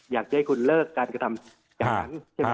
อยากจะให้คุณเลิกการกระทำการ